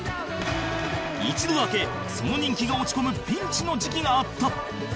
一度だけその人気が落ち込むピンチの時期があった